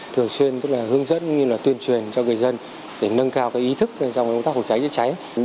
thường xuyên hướng dẫn như là tuyên truyền cho người dân để nâng cao ý thức trong công tác phòng cháy cháy cháy